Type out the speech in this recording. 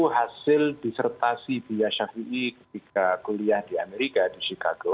hasil disertasi buya syafiq ima arief ketika kuliah di amerika di chicago